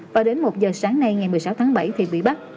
và đến một giờ sáng nay ngày một mươi sáu tháng bảy thì bị bắt